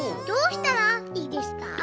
どうしたらいいですか？」。